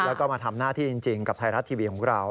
แล้วก็มาทำหน้าที่จริงกับไทยรัฐทีวีของเรา